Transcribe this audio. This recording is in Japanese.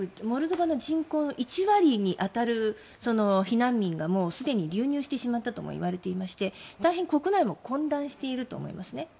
モルドバの人口の１割に当たる避難民がすでに流入してしまったともいわれていまして大変、国内も混乱していると思います。